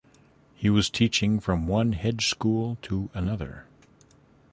He was teaching from one hedge school to another.